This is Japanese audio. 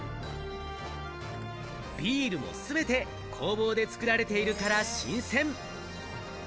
ビールもすべて工房で作られているから新鮮！